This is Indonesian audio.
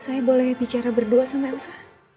saya boleh bicara berdua sama elsa